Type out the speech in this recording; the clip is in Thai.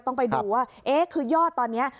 ต้องไปดูว่าเอ๊ะคือย่อตอนนี้